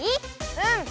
うん！